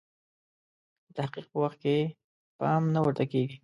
د تحقیق په وخت کې پام نه ورته کیږي.